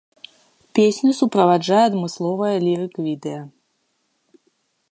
Песню суправаджае адмысловае лірык-відэа.